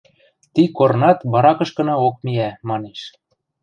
Ти корнат баракышкынаок миӓ, – манеш.